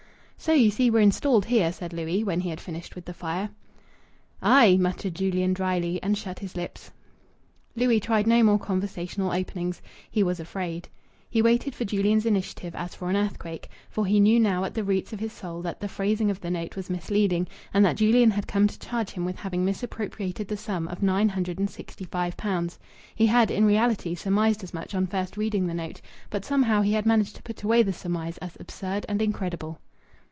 "So you see we're installed here," said Louis, when he had finished with the fire. "Aye!" muttered Julian dryly, and shut his lips. Louis tried no more conversational openings. He was afraid. He waited for Julian's initiative as for an earthquake; for he knew now at the roots of his soul that the phrasing of the note was misleading, and that Julian had come to charge him with having misappropriated the sum of nine hundred and sixty five pounds. He had, in reality, surmised as much on first reading the note, but somehow he had managed to put away the surmise as absurd and incredible.